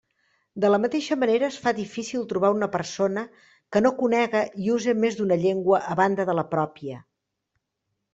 De la mateixa manera es fa difícil trobar una persona que no conega i use més d'una llengua a banda de la pròpia.